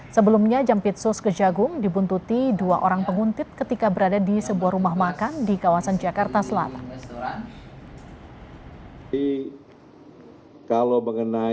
sebelumnya jampitsus kejagung dibuntuti dua orang penguntit ketika berada di sebuah rumah makan di kawasan jakarta selatan